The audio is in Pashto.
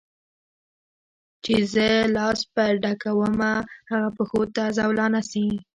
چي زه لاس په ډکومه هغه پښو ته زولانه سي